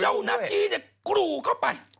เจ้านักทีเนี่ยกรูเข้าไป